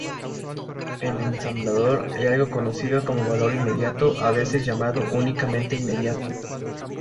En ensamblador hay algo conocido como "valor inmediato", a veces llamado únicamente "inmediato".